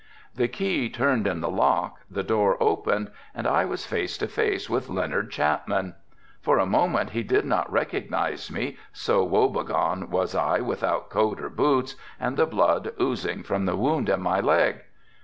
The key turned in the locks, the door opened and I was face to face with Leonard Chapman. For a moment he did not recognize me, so woe begone was I without coat or boots and the blood oozing from the wound in my leg.